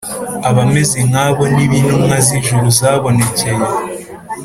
. Abameze nk’abo nibo intumwa z’ijuru zabonekeye